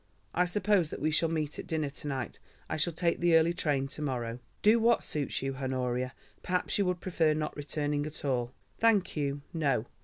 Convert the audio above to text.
I suppose that we shall meet at dinner to night. I shall take the early train to morrow." "Do what suits you, Honoria. Perhaps you would prefer not returning at all." "Thank you, no.